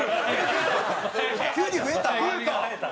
急に増えた？